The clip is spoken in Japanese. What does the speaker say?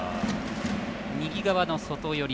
右側の外寄り。